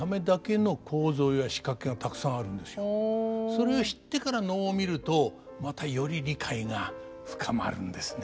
それを知ってから能を見るとまたより理解が深まるんですね。